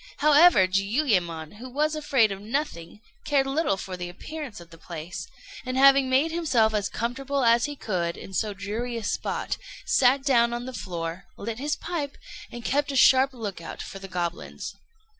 However, Jiuyémon, who was afraid of nothing, cared little for the appearance of the place, and having made himself as comfortable as he could in so dreary a spot, sat down on the floor, lit his pipe, and kept a sharp look out for the goblins.